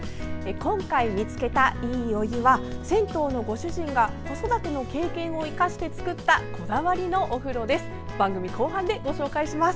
今回、見つけたいいお湯は銭湯のご主人が子育ての経験を生かして作ったこだわりのお風呂です。